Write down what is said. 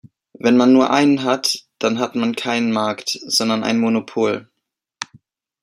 Wenn man nur einen hat, dann hat man keinen Markt, sondern ein Monopol.